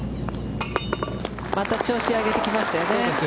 また調子を上げてきましたよね。